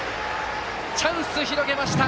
チャンス広げました。